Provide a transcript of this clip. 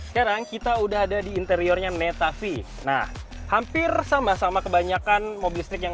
sekarang kita udah ada di interiornya neta v nah hampir sama sama kebanyakan mobil listrik yang